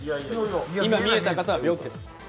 今、見えた方は病気です。